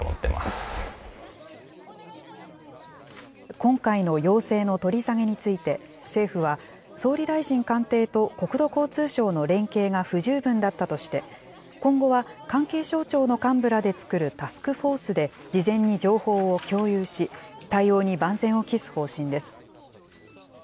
今回の要請の取り下げについて、政府は、総理大臣官邸と国土交通省の連携が不十分だったとして、今後は関係省庁の幹部らで作るタスクフォースで事前に情報を共有し、対応に万全を期す方針です。